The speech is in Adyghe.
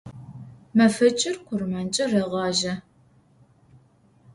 Мэфэкӏыр къурмэнкӏэ рагъажьэ.